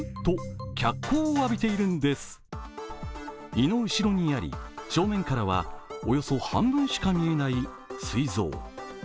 胃の後ろにあり正面からは、およそ半分しか見えないすい臓。